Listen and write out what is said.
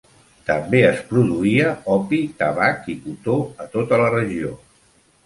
També es produïa opi, tabac i cotó a tota la regió.